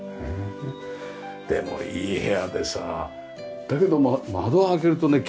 でもいい部屋でさだけど窓を開けるとね気持ちいい。